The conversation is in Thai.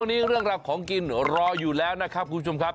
วันนี้เรื่องราวของกินรออยู่แล้วนะครับคุณผู้ชมครับ